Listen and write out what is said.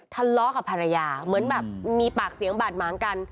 ทะเลาะกับภรรยาเหมือนแบบมีปากเสียงบาดหมางกัน